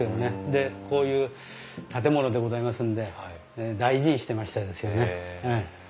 でこういう建物でございますんで大事にしてましたですよね。